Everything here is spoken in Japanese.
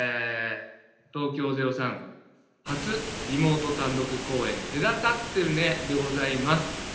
東京０３初リモート単独公演「隔たってるね。」でございます。